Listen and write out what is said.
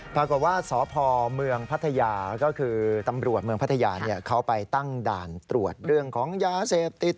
ปรากฏว่าสภตำรวจเมืองพัทยาเขาไปตั้งด่านตรวจเรื่องของยาเสพติด